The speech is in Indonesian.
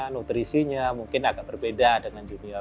nutrisinya mungkin agak berbeda dengan junior